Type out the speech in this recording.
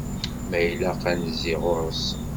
Ma ilaq ad nezzi ɣur-s.